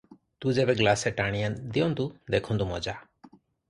ତୁ ଯେବେ ଗ୍ଲାସେ ଟାଣି ଦିଅନ୍ତୁ, ଦେଖନ୍ତୁ ମଜା!